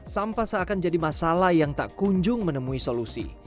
sampah seakan jadi masalah yang tak kunjung menemui solusi